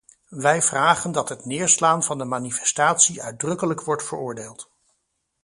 Wij vragen dat het neerslaan van de manifestatie uitdrukkelijk wordt veroordeeld.